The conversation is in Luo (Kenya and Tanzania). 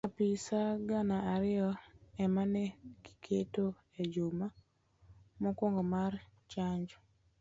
Apisas gana ariyo emane gigeto ejuma mokuongo mar chanjo.